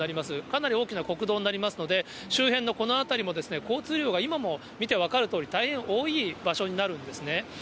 かなり大きな国道になりますので、周辺のこの辺りも、交通量が今も見て分かるとおり、大変多い場所になるんですね。